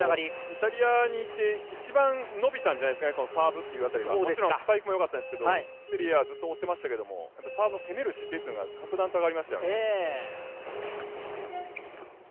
イタリアに行って一番伸びたんじゃないですかね、このサーブという辺りがもちろんスパイクも良かったんですけどセリエＡずっと追ってましたけどサーブの攻める姿勢というのが格段と上がりましたよね。